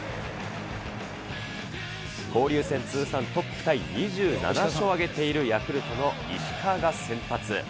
交流戦通算トップタイ２７勝を挙げているヤクルトの石川が先発。